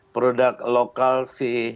produk lokal si